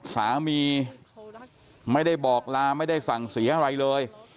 สามีไม่ได้บอกลาไม่ได้สั่งเสียอะไรเลย